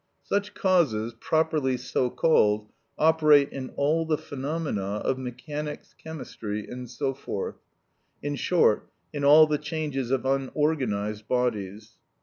Such causes, properly so called, operate in all the phenomena of mechanics, chemistry, and so forth; in short, in all the changes of unorganised bodies.